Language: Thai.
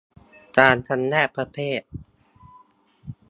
การจำแนกประเภท